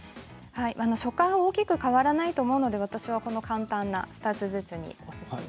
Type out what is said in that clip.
食感は大きく変わらないと思うので私はこの簡単な２つずつがおすすめです。